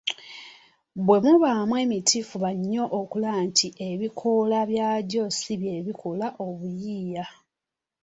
Bwe mubaamu emiti fuba nnyo okulaba nti ebikoola byagyo si bye bikola obuyiiya